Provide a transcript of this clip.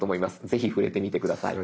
ぜひ触れてみて下さい。